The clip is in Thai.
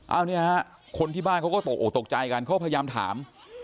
เอาเนี่ยฮะคนที่บ้านเขาก็ตกออกตกใจกันเขาพยายามถาม